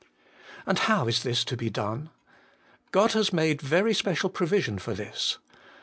And how is this to be done ? God has made very special provision for this.